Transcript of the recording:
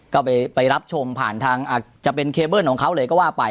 ก็ไปรับชมผ่านทางอาจจะเป็นเคเบิ้ลของเขาเลยก็ว่าไป